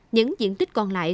những diện tích còn lại